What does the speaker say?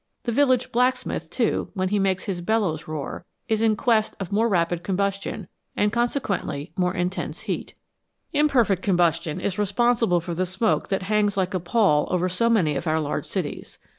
The village blacksmith, too, when he makes his bellows roar, is in quest of more rapid combustion, and consequently more intense heat. Imperfect combustion is responsible for the smoke that hangs like a pall over so many of our large cities.